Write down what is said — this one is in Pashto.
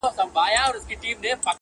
څه به وايي دا مخلوق او عالمونه؟!